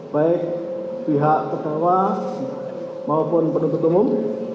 baik pihak terdakwa maupun penuntut umum